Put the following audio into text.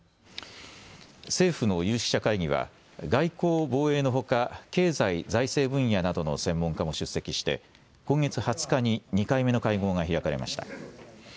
政府の有識者会議は外交・防衛のほか経済・財政分野などの専門家も出席して今月２０日に２回目の会合が開かれました。